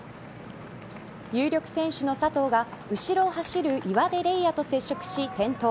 有力選手の佐藤が後ろを走る岩出玲亜と接触し転倒。